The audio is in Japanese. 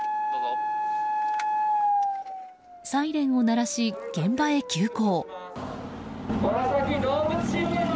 サイレンを鳴らし、現場へ急行。